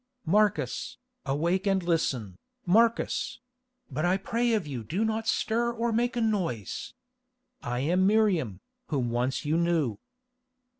"Marcus, awake and listen, Marcus; but I pray of you do not stir or make a noise. I am Miriam, whom once you knew."